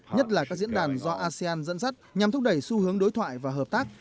nhất là các diễn đàn do asean dẫn dắt nhằm thúc đẩy xu hướng đối thoại và hợp tác